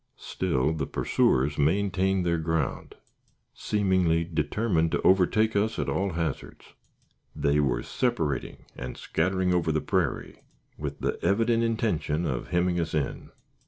Still the pursuers maintained their ground, seemingly determined to overtake us at all hazards. They were separating and scattering over the prairie, with the evident intention of hemming us in.